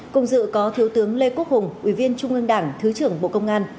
cùng dự có thiếu tướng lê quốc hùng ủy viên trung ương đảng thứ trưởng bộ công an